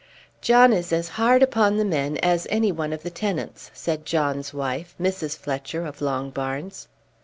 "John is as hard upon the men as any one of the tenants," said John's wife, Mrs. Fletcher of Longbarns.